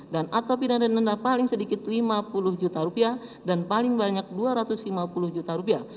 dan atau pidana nenda paling sedikit lima puluh juta rupiah dan paling banyak dua ratus lima puluh juta rupiah